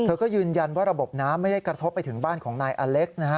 เธอก็ยืนยันว่าระบบน้ำไม่ได้กระทบไปถึงบ้านของนายอเล็กซ์นะฮะ